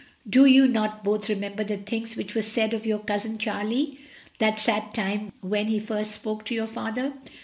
Do you not both remember the things which were said of your cousin Charlie, that sad time when— when he first spoke to your father?